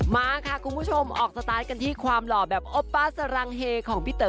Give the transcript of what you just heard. มาค่ะคุณผู้ชมออกสไตล์กันที่ความหล่อแบบโอป้าสรังเฮของพี่เต๋อ